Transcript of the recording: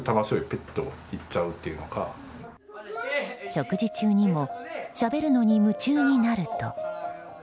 食事中にもしゃべるのに夢中になると。